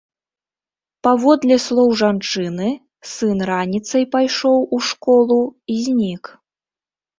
Паводле слоў жанчыны, сын раніцай пайшоў у школу і знік.